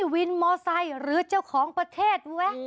วินมอไซค์หรือเจ้าของประเทศแวะ